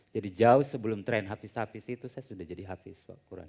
jadi jauh sebelum tren hafiz hafiz itu saya sudah jadi hafiz